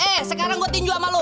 eh sekarang gue tinju sama lo